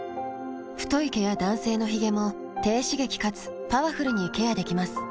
太い毛や男性のヒゲも低刺激かつパワフルにケアできます。